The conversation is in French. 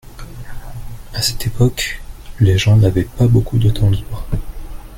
à cette époque, les gens n'avaient pas beacoup de temps libre.